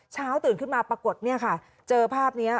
เช้าตื่นขึ้นมาปรากฏเนี่ยค่ะเจอภาพนี้